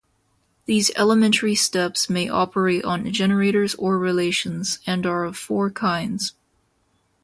These elementary steps may operate on generators or relations, and are of four kinds.